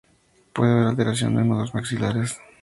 Puede haber alteración de uno o dos maxilares.